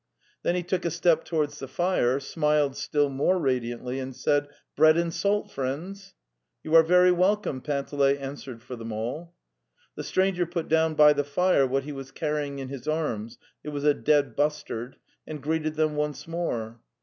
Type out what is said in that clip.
" Then he took a step towards the fire, smiled still more radiantly and said: '* Bread and salt, friends! " "You are very welcome!'"' Panteley answered for them all. The stranger put down by the fire what he was carrying in his arms — it was a dead bustard — and greeted them once more.